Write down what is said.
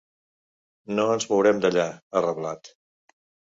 “No ens mourem d’allà”, ha reblat.